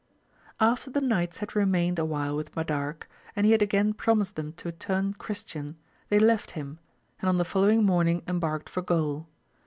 After the knights had remained awhile with Ma darque, and he had again promised them to turn Christian, they left him, and on the following morning embarked for Gaul.